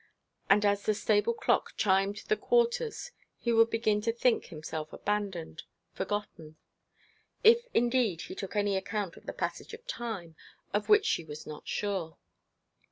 And as the stable clock chimed the quarters he would begin to think himself abandoned, forgotten; if, indeed, he took any count of the passage of time, of which she was not sure.